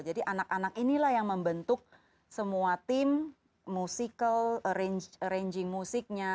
jadi anak anak inilah yang membentuk semua tim musikal arranging musiknya